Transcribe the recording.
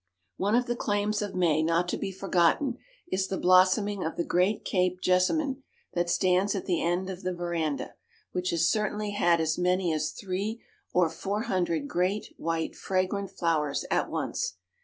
One of the charms of May not to be forgotten is the blossoming of the great Cape jessamine that stands at the end of the veranda, which has certainly had as many as three or four hundred great, white, fragrant flowers at once.